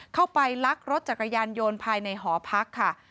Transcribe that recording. เข้าไปลักรถจักรยานยนต์ภายในหอพักค่ะ